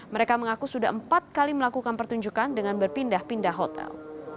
mereka mengaku sudah empat kali melakukan pertunjukan dengan berpindah pindah hotel